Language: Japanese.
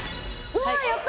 うわーやった！